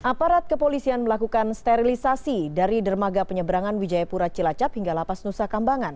aparat kepolisian melakukan sterilisasi dari dermaga penyeberangan wijayapura cilacap hingga lapas nusa kambangan